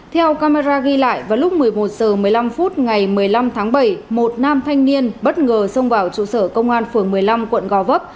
theo camera ghi lại vào lúc một mươi một h một mươi năm phút ngày một mươi năm tháng bảy một nam thanh niên bất ngờ xông vào trụ sở công an phường một mươi năm quận gò vấp